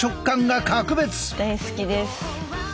大好きです。